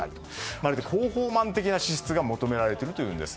まるで広報マン的な資質が求められているそうです。